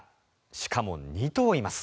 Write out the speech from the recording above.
しかも、２頭います。